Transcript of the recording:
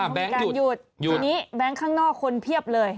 มีการหยุดทีนี้แบงค์ข้างนอกคนเพียบเลย